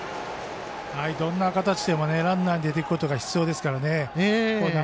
どんな形でもランナー出ていくことが必要ですからね。